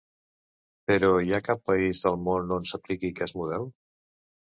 Però hi ha cap país del món on s’apliqui aquest model?